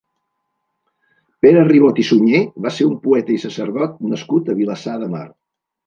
Pere Ribot i Sunyer va ser un poeta i sacerdot nascut a Vilassar de Mar.